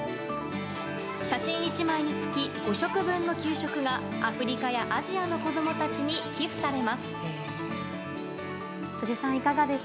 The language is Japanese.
写真１枚につき５食分の給食がアフリカやアジアの子供たちに寄付されます。